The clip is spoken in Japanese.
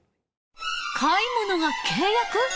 買い物が契約？